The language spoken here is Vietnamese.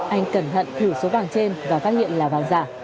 anh cẩn thận thử số vàng trên và phát hiện là vàng giả